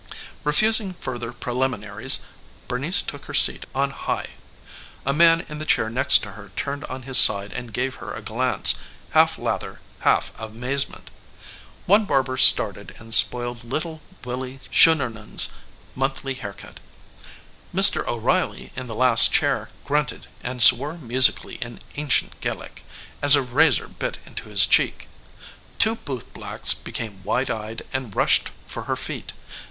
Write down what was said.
Refusing further preliminaries, Bernice took her seat on high. A man in the chair next to her turned on his side and gave her a glance, half lather, half amazement. One barber started and spoiled little Willy Schuneman's monthly haircut. Mr. O'Reilly in the last chair grunted and swore musically in ancient Gaelic as a razor bit into his cheek. Two bootblacks became wide eyed and rushed for her feet.